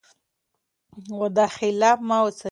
وعده خلاف مه اوسئ.